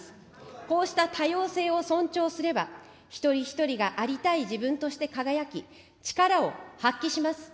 こうした多様性を尊重すれば、一人一人が、ありたい自分として輝き、力を発揮します。